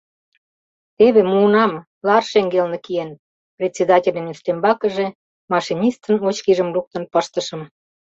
Теве, муынам, лар шеҥгелне киен! — председательын ӱстембакыже машинистын очкижым луктын пыштышым.